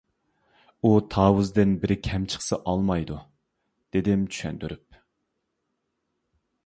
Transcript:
ئۇ تاۋۇزدىن بىرى كەم چىقسا ئالمايدۇ، -دېدىم چۈشەندۈرۈپ.